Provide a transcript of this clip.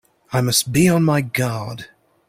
I must be on my guard!